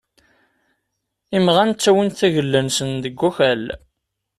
Imɣan ttawin-d tagella-nsen deg wakal.